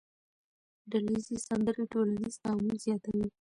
ډلهییزې سندرې ټولنیز تعامل زیاتوي.